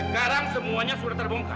sekarang semuanya sudah terbongkar